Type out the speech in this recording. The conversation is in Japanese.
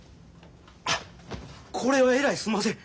あこれはえらいすんません。